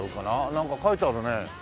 なんか書いてあるね。